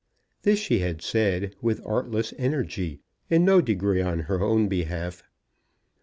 This she had said, with artless energy, in no degree on her own behalf.